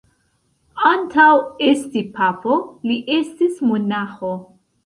Antaŭ esti papo, li estis monaĥo.